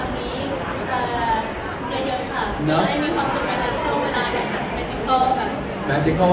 ให้มีความสุขไปและช่วงเวลา